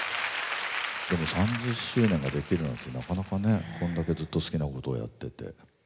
３０周年ができるなんてなかなかねこんだけずっと好きなことをやってて。